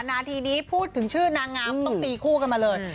นาทีนี้พูดถึงชื่อนางงามต้องตีคู่กันมาเลย